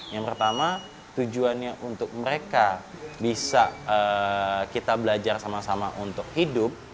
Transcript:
yang pertama tujuannya untuk mereka bisa kita belajar sama sama untuk hidup